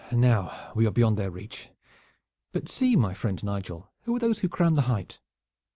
Now we are beyond their reach! But see, my friend Nigel, who are those who crown the height?"